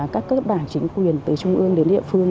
các cơ bản chính quyền từ trung ương đến địa phương